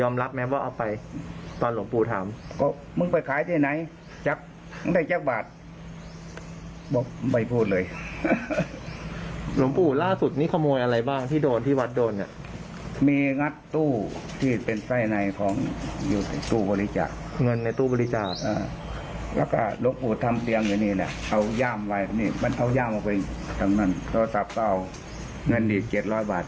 มันเอาย่ามมาไปทั้งนั้นโทรศัพท์ก็เอาเงินอีก๗๐๐บาท